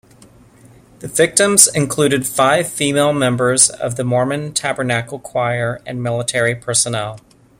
The victims included five female members of the Mormon Tabernacle Choir and military personnel.